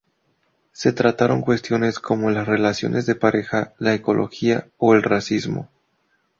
Se trataron cuestiones como las relaciones de pareja, la ecología o el racismo.